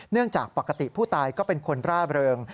จากปกติผู้ตายก็เป็นคนร่าเริง